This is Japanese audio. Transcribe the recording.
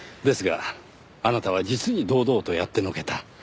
ですがあなたは実に堂々とやってのけた。